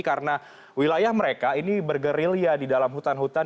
karena wilayah mereka ini bergerilya di dalam hutan